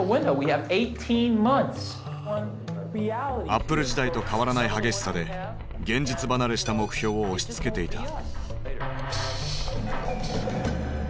アップル時代と変わらない激しさで現実離れした目標を押しつけていた。